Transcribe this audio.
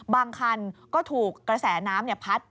บางคันก็ถูกกระแสน้ำพัด